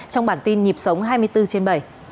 trong bản tin nhịp sống hai mươi bốn trên bảy